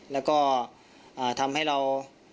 แล้วก็ทำให้เรา